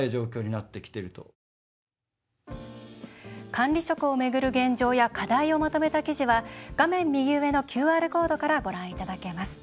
管理職を巡る現状や課題をまとめた記事は画面右上のＱＲコードからご覧いただけます。